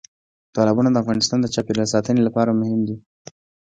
تالابونه د افغانستان د چاپیریال ساتنې لپاره مهم دي.